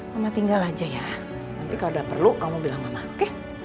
mama tinggal aja ya nanti kalau udah perlu kamu bilang mama oke